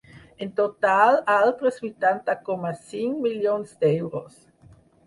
En total, altres vuitanta coma cinc milions d’euros.